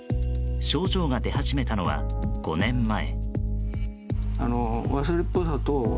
症状が出始めたのは５年前。